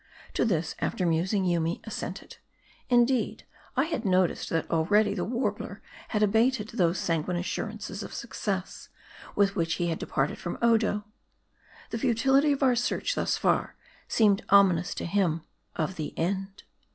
To this, after musing, Yoomy assented. Indeed, I had noticed, that already the Warbler had abated those sanguine assurances of success, with which he had departed from Odo. The futility of our search thus far, seemed ominous to him, of the end.